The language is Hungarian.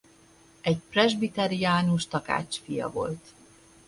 Egy presbiteriánus takács fia volt.